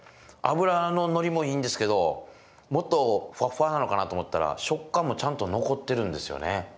脂ののりもいいんですけどもっとふわふわなのかなと思ったら食感もちゃんと残ってるんですよね。